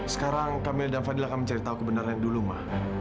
sekarang kamila dan fadil akan mencari tahu kebenarannya dulu ma